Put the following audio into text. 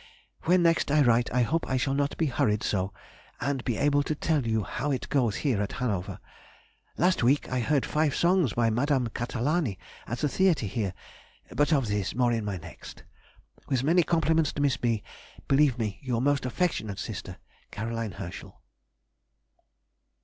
When next I write I hope I shall not be hurried so, and be able to tell you how it goes here at Hanover. Last week I heard five songs by Madame Catalani at the theatre here; but of this, more in my next. With many compliments to Miss B., Believe me, your most affectionate sister, C. HERSCHEL.